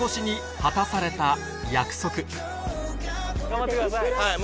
頑張ってください。